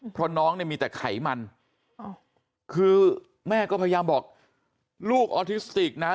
เพราะน้องเนี่ยมีแต่ไขมันคือแม่ก็พยายามบอกลูกออทิสติกนะ